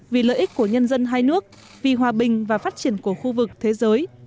vì lợi ích của nhân dân hai nước vì hòa bình và phát triển của khu vực thế giới